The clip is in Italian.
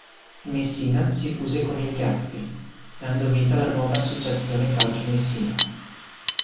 Messina si fuse con il Gazzi, dando vita alla nuova Associazione Calcio Messina.